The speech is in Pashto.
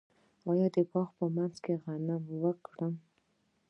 آیا د باغ په منځ کې غنم وکرم؟